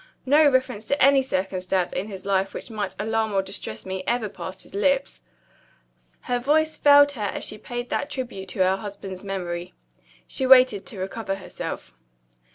No reference to any circumstance in his life which might alarm or distress me ever passed his lips." Her voice failed her as she paid that tribute to her husband's memory. She waited to recover herself.